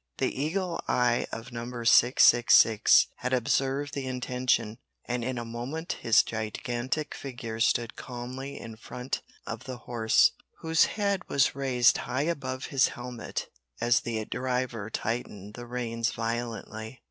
The eagle eye of Number 666 had observed the intention, and in a moment his gigantic figure stood calmly in front of the horse, whose head was raised high above his helmet as the driver tightened the reins violently.